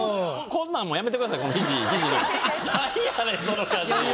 こんなんもやめてください肘肘。